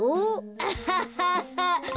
アハハハ！